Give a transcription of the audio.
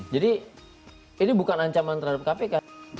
jadi ini bukan ancaman terhadap kpk